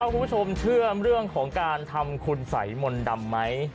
คุณผู้ชมเชื่อเรื่องของการทำคุณสัยมนต์ดำไหม